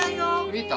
見た？